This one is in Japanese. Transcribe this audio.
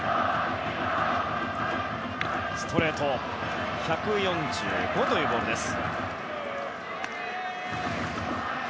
ストレート、１４５キロというボールです。